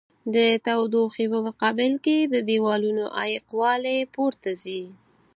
د تودوخې په مقابل کې د دېوالونو عایق والي پورته ځي.